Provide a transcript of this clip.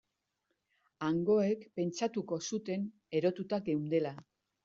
Hangoek pentsatuko zuten erotuta geundela.